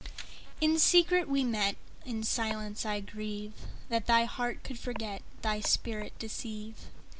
In secret we met:In silence I grieveThat thy heart could forget, Thy spirit deceive.